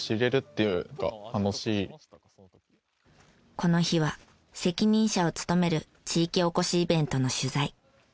この日は責任者を務める地域おこしイベントの取材。